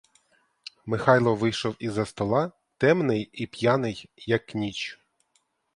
Михайло вийшов із-за стола темний і п'яний, як ніч.